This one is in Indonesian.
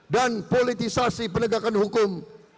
dan politisasi penegakan hukum